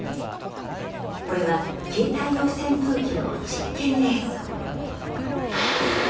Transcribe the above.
これは、携帯用扇風機の実験映像。